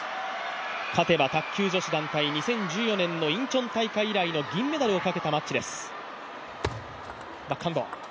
勝てば卓球女子団体２０１４年のインチョン大会以来の銀メダルをかけたマッチです。